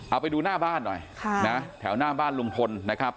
เอาไปดูหน้าบ้านหน่อยแถวหน้าบ้านลุงพลนะครับ